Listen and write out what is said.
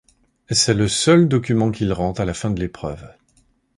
C'est le seul document qu'il rend à la fin de l'épreuve.